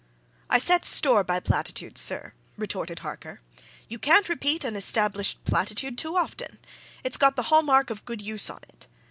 "I set store by platitudes, sir," retorted Harker. "You can't repeat an established platitude too often it's got the hallmark of good use on it.